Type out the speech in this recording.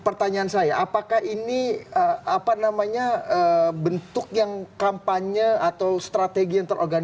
pertanyaan saya apakah ini apa namanya bentuk yang kampanye atau strategi yang terorganik